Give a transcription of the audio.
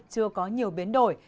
chưa có nhiều biến đổi